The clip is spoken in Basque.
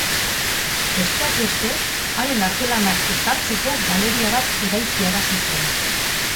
Besteak beste, haren artelanak ezartzeko galeria bat eraikiarazi zuen.